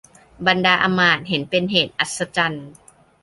บรรดาอำมาตย์เห็นเป็นเหตุอัศจรรย์